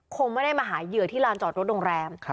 คงไม่ได้มาหาเหยื่อที่ลานจอดรถโรงแรม